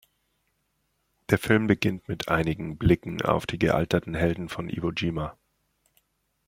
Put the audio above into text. Der Film beginnt mit einigen Blicken auf die gealterten „Helden“ von Iwo Jima.